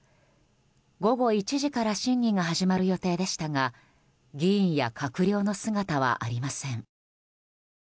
午後１時から審議が始まる予定でしたが議員や閣僚の姿はありません。